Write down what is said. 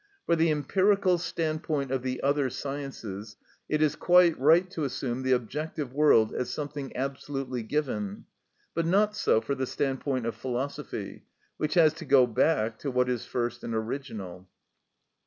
For the empirical standpoint of the other sciences it is quite right to assume the objective world as something absolutely given; but not so for the standpoint of philosophy, which has to go back to what is first and original.